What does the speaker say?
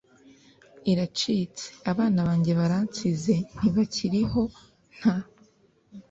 iracitse abana banjye baransize ntibakiriho nta